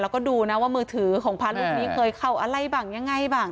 แล้วก็ดูนะว่ามือถือของพระรูปนี้เคยเข้าอะไรบ้างยังไงบ้าง